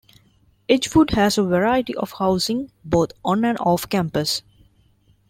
Edgewood has a variety of housing, both on and off campus.